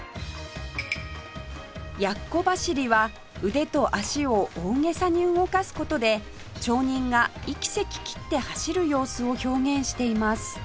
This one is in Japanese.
奴走りは腕と足を大げさに動かす事で町人が息せき切って走る様子を表現しています